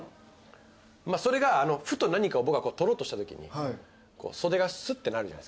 それがふと何かを僕が取ろうとしたときに袖がスッてなるじゃないですか。